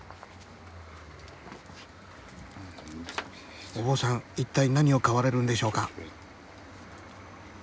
一体何を買われるんでしょうか。